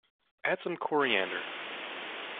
Add some coriander.